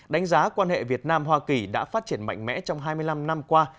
đánh giá quan hệ việt nam hoa kỳ đã phát triển mạnh mẽ trong hai mươi năm năm qua